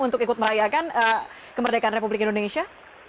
untuk ikut merayakan kemerdekaan republik indonesia